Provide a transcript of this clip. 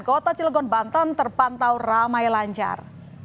kota cilegon banten terpantau ramai lancar